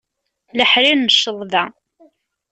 Leḥrir n cceḍba.